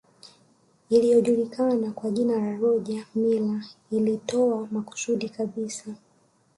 Iliyojulikana kwa jina la Roger Milla iliitoa makusudi kabisa